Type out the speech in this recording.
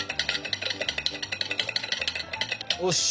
よし。